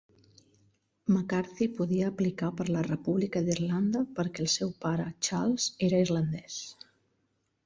McCarthy podia aplicar per la República d'Irlanda perquè el seu pare, Charles, era irlandès.